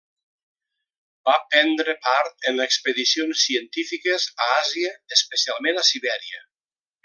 Va prendre part en expedicions científiques a Àsia, especialment a Sibèria.